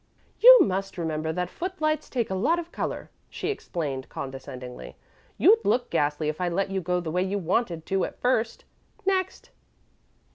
"You must remember that foot lights take a lot of color," she explained condescendingly. "You'd look ghastly if I let you go the way you wanted to at first. Next!